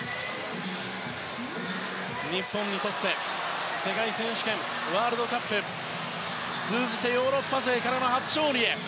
日本にとって、世界選手権ワールドカップ通じてヨーロッパ勢から初勝利へ。